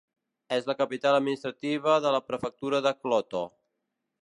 És la capital administrativa de la prefectura de Kloto.